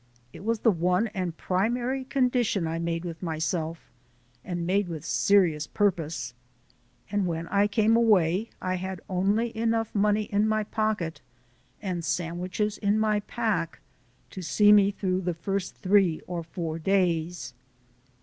It was the one and primary condition I made with myself and made with serious purpose and when I came away I had only enough money in my pocket and sandwiches in my pack to see me through the first three or four days.